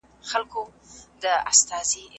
دا قلمان له هغو ښه دي!